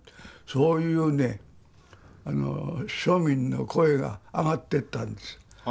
そういうね庶民の声が上がってったんです。